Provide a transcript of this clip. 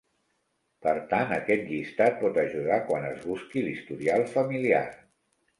Per tant, aquest llistat pot ajudar quan es busqui l'historial familiar.